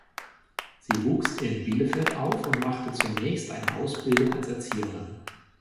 Sie wuchs in Bielefeld auf und machte zunächst eine Ausbildung als Erzieherin.